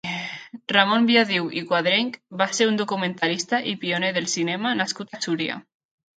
Ramon Biadiu i Cuadrench va ser un documentalista i pioner del cinema nascut a Súria.